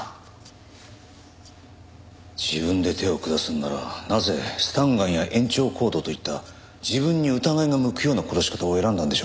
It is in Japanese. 自分で手を下すならなぜスタンガンや延長コードといった自分に疑いが向くような殺し方を選んだんでしょうか。